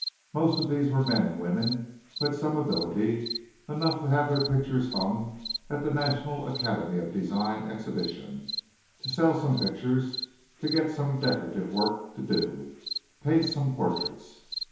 Most of these were men and women who had some ability enough to have their pictures hung at the National Academy of Design exhibition to sell some pictures, get some decorative work to do, paint some portraits.